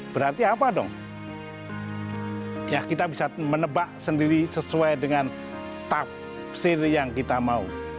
berarti apa dong ya kita bisa menebak sendiri sesuai dengan tafsir yang kita mau